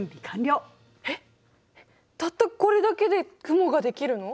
えったったこれだけで雲ができるの？